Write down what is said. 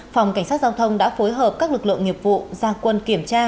phòng cảnh sát giao thông đã phối hợp các lực lượng nghiệp vụ ra quân kiểm tra